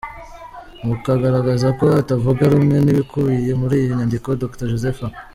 Mu kugaragaza ko atavuga rumwe n’ibikubiye muri iyi nyandiko, Dr Joseph A.